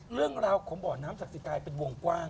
เรื่องราวของบ่อน้ำศักดิ์กลายเป็นวงกว้าง